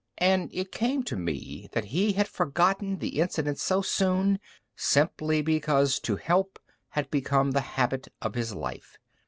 And it came to me that he had forgotten the incident so soon, simply because to help had become the habit of his life.